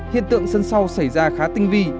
hiện tượng sân sau xảy ra khá tinh vi